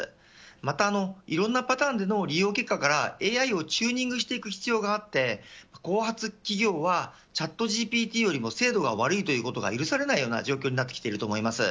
また、いろんなパターンでの利用結果からＡＩをチューニングしていく必要があって後発企業はチャットＧＰＴよりも精度が悪いということが許されないような状況になってきていると思います。